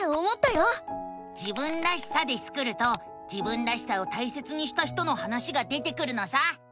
「自分らしさ」でスクると自分らしさを大切にした人の話が出てくるのさ！